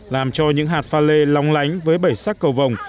làm cho những hạt pha lê long lánh với bảy sắc cầu vòng